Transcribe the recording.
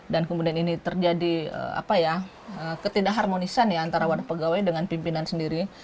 dan kemudian ini terjadi ketidak harmonisan antara wadah pegawai dengan pimpinan sendiri